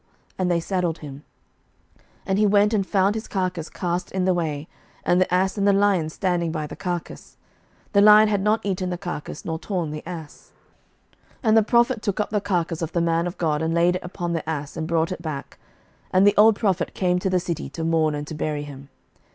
And they saddled him. 11:013:028 And he went and found his carcase cast in the way, and the ass and the lion standing by the carcase: the lion had not eaten the carcase, nor torn the ass. 11:013:029 And the prophet took up the carcase of the man of God, and laid it upon the ass, and brought it back: and the old prophet came to the city, to mourn and to bury him.